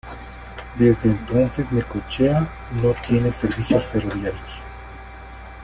Desde entonces, Necochea no tiene servicios ferroviarios.